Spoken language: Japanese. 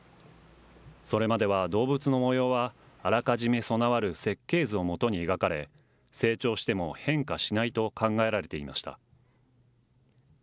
それまでは動物の模様は、あらかじめ備わる設計図をもとに描かれ、成長しても変化しないと考えられていました。